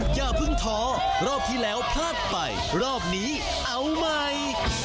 อย่าเพิ่งท้อรอบที่แล้วพลาดไปรอบนี้เอาใหม่